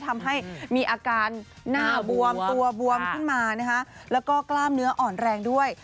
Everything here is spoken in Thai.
ทำให้มีอาการหน้าบวมตัวบวมขึ้นมานะคะแล้วก็กล้ามเนื้ออ่อนแรงด้วย